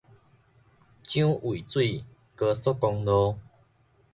蔣渭水高速公路